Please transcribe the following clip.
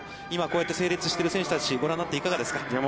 今、こうやって整列している選手たち、ごらんになっていかがですか。